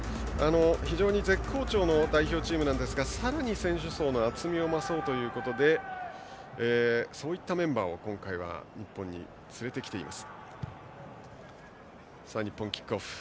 非常に絶好調の代表チームなんですがさらに選手層の厚みを増そうということでそういったメンバーを今回日本に連れてきています。